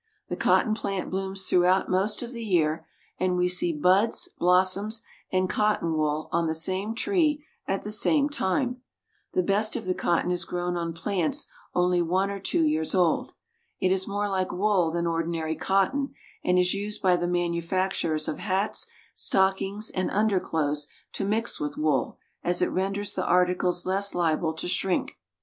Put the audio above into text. The cotton plant blooms throughout most of the year, and we see buds, blos soms, and cotton wool on the same tree at the same time. The best of the cotton is grown on plants only one or two years old. It is more like wool than ordinary cotton, and is used by the manufacturers of hats, stockings, and un derclothes to mix with wool, as it renders the articles less liable to shrink.